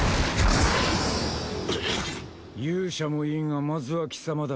勇者もいいがまずは貴様だ。